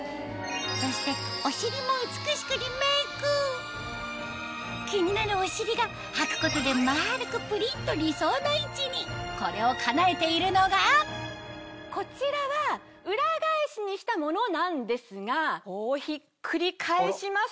そして気になるお尻がはくことで丸くぷりっと理想の位置にこれをかなえているのがこちらは裏返しにしたものなんですがこうひっくり返しますと。